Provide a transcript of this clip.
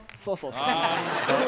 そうそう。